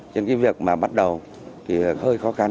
nên cái việc mà bắt đầu thì hơi khó khăn